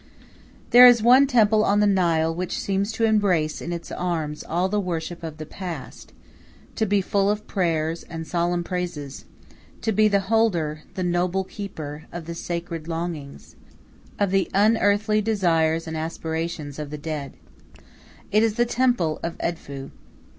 There is one temple on the Nile which seems to embrace in its arms all the worship of the past; to be full of prayers and solemn praises; to be the holder, the noble keeper, of the sacred longings, of the unearthly desires and aspirations, of the dead. It is the temple of Edfu.